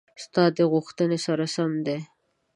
ستا د غوښتنې سره سم دي: